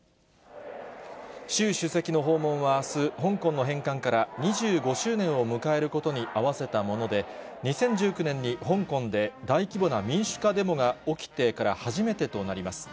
習主席の訪問はあす、香港の返還から２５周年を迎えることに合わせたもので、２０１９年に香港で大規模な民主化デモが起きてから初めてとなります。